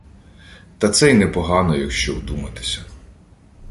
Та це й непогано, якщо вдуматися